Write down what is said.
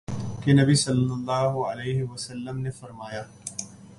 کہ نبی صلی اللہ علیہ وسلم نے فرمایا